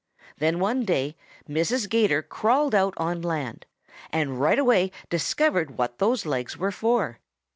Then one day Mrs. 'Gator crawled out on land and right away discovered what those legs were for.